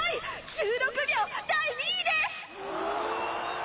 １６秒第２位です！